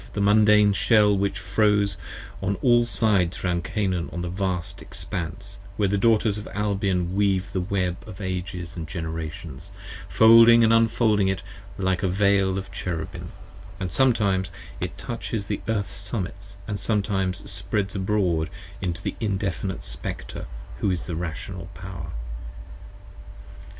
OF the Mundane Shell, which froze on all sides round Canaan on The vast Expanse: where the Daughters of Albion Weave the Web Of Ages & Generations, folding & unfolding it, like a Veil of Cherubim: And sometimes it touches the Earth's summits, & sometimes spreads 5 Abroad into the Indefinite Spectre, who is the Rational Power.